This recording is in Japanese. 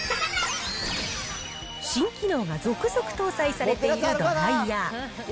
新機能が続々搭載されているドライヤー。